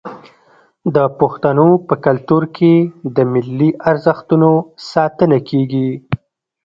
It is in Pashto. د پښتنو په کلتور کې د ملي ارزښتونو ساتنه کیږي.